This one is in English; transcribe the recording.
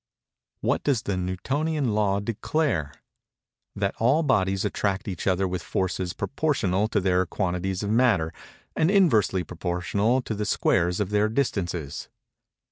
What does the Newtonian law declare?—That all bodies attract each other with forces proportional to their quantities of matter and inversely proportional to the squares of their distances.